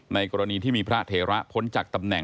กรณีที่มีพระเทระพ้นจากตำแหน